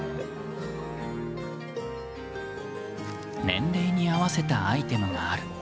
年齢に合わせたアイテムがある。